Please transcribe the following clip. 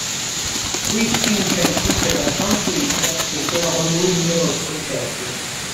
Qui strinse amicizia con Franz Liszt e suonò con lui in numerosi concerti.